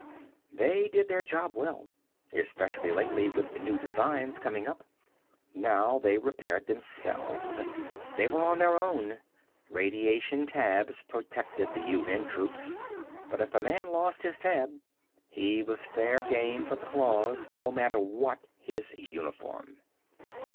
They did their job well. Especially lately, with the new designs coming up. Now they repaired themselves. They were on their own. Radiation tabs protected the UN troops, but if a man lost his tab he was fair game for the claws, no matter what his uniform.